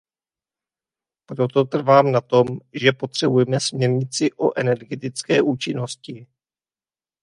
Proto trvám na tom, že potřebujeme směrnici o energetické účinnosti.